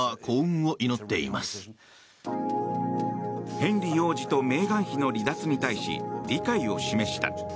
ヘンリー王子とメーガン妃の離脱に対し、理解を示した。